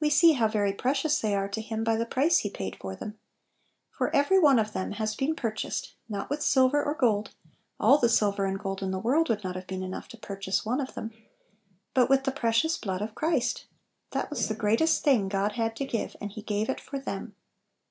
We see how very precious they are to Him by the price He paid for them For every one of them has been pur chased, not with silver and gold (all the silver and gold in the world would not have been enough to purchase one of them), but with the precious blood of Christ. That was the greatest thing God had to give, and He gave it for them.